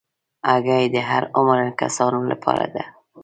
هګۍ د هر عمر کسانو لپاره ده.